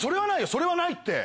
それはないって！